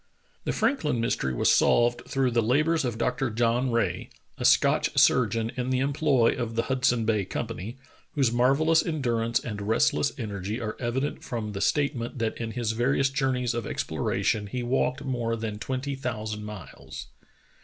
The Franklin mystery was solved through the labors of Dr. John Rae, a Scotch surgeon in the employ of the Hudson Bay Company, whose marvellous en durance and restless energy are evident from the state ment that in his various journeys of exploration he walked more than twenty thousand miles.